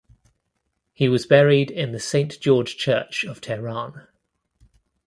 He was buried in the Saint George Church of Tehran.